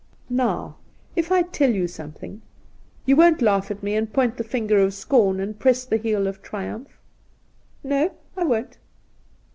' Now, if I tell you something, you won't laugh at me and point the finger of scorn and press the heel of triumph ?'' No, I won't.'